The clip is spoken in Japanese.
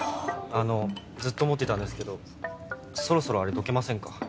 あのずっと思ってたんですけどそろそろあれどけませんか？